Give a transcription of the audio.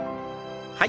はい。